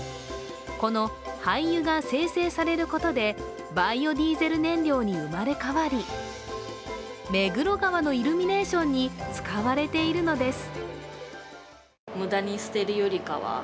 この廃油が精製されることでバイオディーゼル燃料に生まれ変わり、目黒川のイルミネーションに使われているのです。